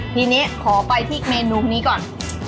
ทีนี้ขอไปที่เมนูนี้ก่อน